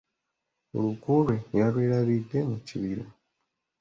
Oluku lwe yalwelabidde mu kibiira.